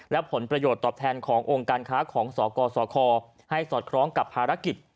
และผลประโยชน์ตอบแทนขององค์การค้าของสกสคให้สอดคล้องกับภารกิจ